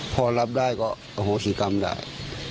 พอรับได้ก็อโหสิกรรมได้